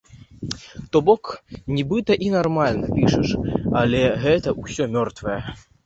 То бок, нібыта і нармальна пішаш, але гэта ўсё мёртвае.